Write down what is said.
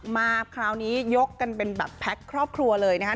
มาคราวนี้ยกกันเป็นแบบแพ็คครอบครัวเลยนะครับ